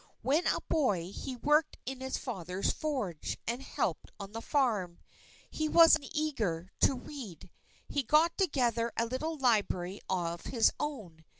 When a boy, he worked in his father's forge, and helped on the farm. He was eager to read. He got together a little library of his own.